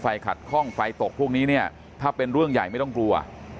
ขัดข้องไฟตกพวกนี้เนี่ยถ้าเป็นเรื่องใหญ่ไม่ต้องกลัว